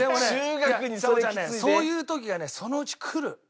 そういう時がねそのうちくる。